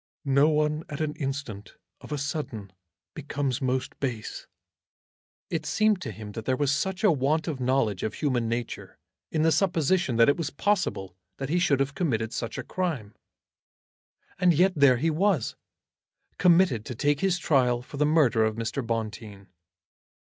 "No one at an instant, of a sudden, becomes most base." It seemed to him that there was such a want of knowledge of human nature in the supposition that it was possible that he should have committed such a crime. And yet there he was, committed to take his trial for the murder of Mr. Bonteen.